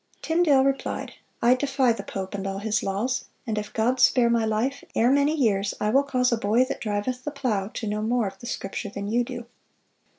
Tyndale replied, "I defy the pope and all his laws; and if God spare my life, ere many years I will cause a boy that driveth the plow to know more of the Scripture than you do."